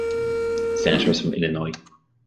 Senators from Illinois.